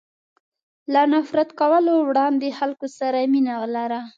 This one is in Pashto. له نفرت کولو وړاندې خلکو سره مینه ولره.